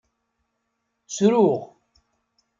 Ttruɣ.